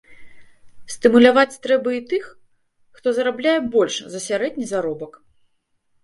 Стымуляваць трэба і тых, хто зарабляе больш за сярэдні заробак.